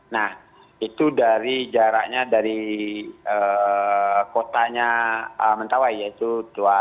nah itu dari jaraknya dari kotanya mentawai yaitu tua